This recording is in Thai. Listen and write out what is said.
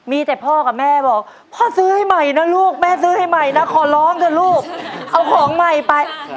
มีแต่พ่อกับแม่บอกพ่อซื้อให้ใหม่นะลูกแม่ซื้อให้ใหม่นะขอร้องเถอะลูกเอาของใหม่ไป